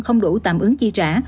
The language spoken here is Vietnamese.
không đủ tạm ứng chi trả